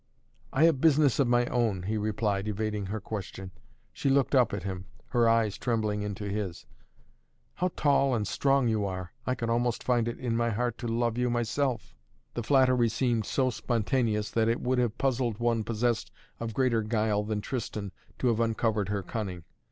"I have business of my own," he replied, evading her question. She looked up at him, her eyes trembling into his. "How tall and strong you are! I could almost find it in my heart to love you myself!" The flattery seemed so spontaneous that it would have puzzled one possessed of greater guile than Tristan to have uncovered her cunning.